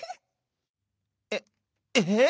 えっええっ！？